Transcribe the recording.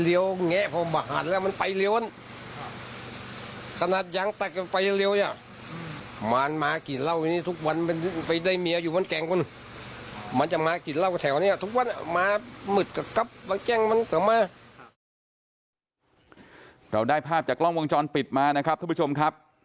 เราได้ภาพจากกล้องวงจรปิดมานะครับทุกผู้ชมครับ